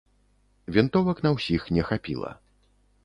Вінтовак на ўсіх не хапіла.